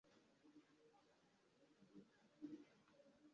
Ariko yashakaga gukura muri Kristo kwizera ubwo buhamva.